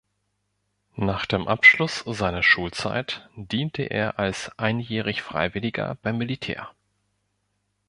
Nach dem Abschluss seiner Schulzeit diente er als Einjährigfreiwilliger beim Militär.